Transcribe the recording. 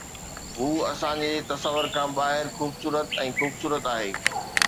هو اسان جي تصور کان ٻاهر خوبصورت ۽ خوبصورت آهي